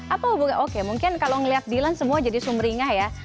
apa hubungan oke mungkin kalau ngelihat dilan semua jadi sumberingah ya